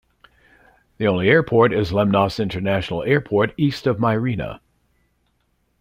The only airport is Lemnos International Airport, east of Myrina.